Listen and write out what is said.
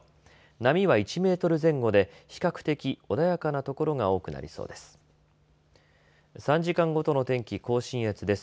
波は１メートル前後で比較的穏やかなところが多くなりそうです。